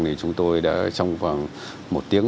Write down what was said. thì chúng tôi đã trong khoảng một tiếng